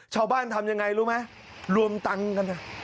ชาวบ้านทำอย่างไรรู้ไหมรวมตังค์กันนะ